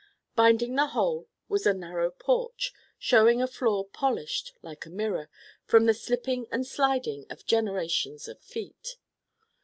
Binding the whole was a narrow porch, showing a floor polished like a mirror from the slipping and sliding of generations of feet.